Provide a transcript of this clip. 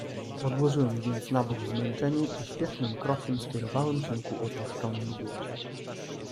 "Odłożyłem więc na bok zmęczenie i śpiesznym krokiem skierowałem się ku opuszczonej wieży."